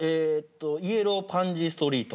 「イエローパンジーストリート」。